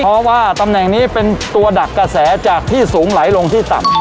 เพราะว่าตำแหน่งนี้เป็นตัวดักกระแสจากที่สูงไหลลงที่ต่ำ